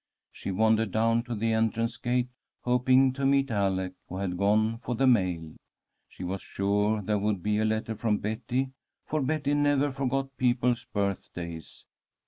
She wandered down to the entrance gate, hoping to meet Alec, who had gone for the mail. She was sure there would be a letter from Betty, for Betty never forgot people's birthdays.